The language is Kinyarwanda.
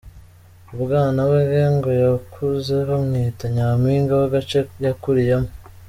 Mu bwana bwe, ngo yakuze bamwita Nyampinga w’agace yakuriyemo.